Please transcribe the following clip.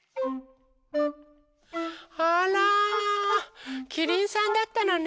あらキリンさんだったのね。